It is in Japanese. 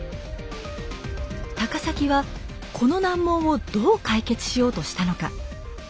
高碕はこの難問をどう解決しようとしたのか？